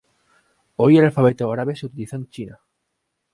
Hoy el alfabeto árabe se utiliza en China.